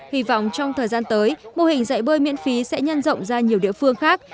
hy vọng trong thời gian tới mô hình dạy bơi miễn phí sẽ nhân rộng ra nhiều địa phương khác